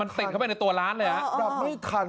มันติดเข้าไปในตัวร้านเลยดับไม่ทัน